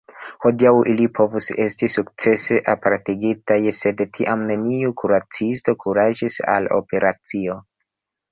Hodiaŭ ili povus esti sukcese apartigitaj, sed tiam neniu kuracisto kuraĝis al operacio.